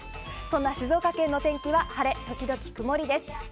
そんな静岡県の天気は晴れ時々曇り。